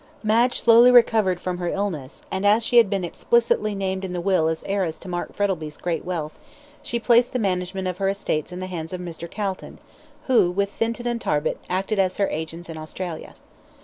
Madge slowly recovered from her illness, and as she had been explicitly named in the will as heiress to Mark Frettlby's great wealth, she placed the management of her estates in the hands of Mr. Calton, who, with Thinton and Tarbit, acted as her agents in Australia.